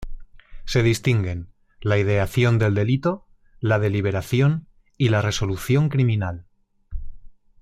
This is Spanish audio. Se distinguen: la ideación del delito, la deliberación y la resolución criminal.